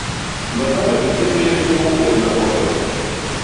Lona me hitémél inyuu bel makondo.